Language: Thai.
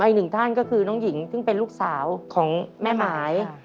อีกหนึ่งท่านก็คือน้องหญิงซึ่งเป็นลูกสาวของแม่หมาย